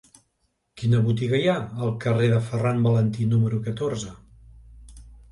Quina botiga hi ha al carrer de Ferran Valentí número catorze?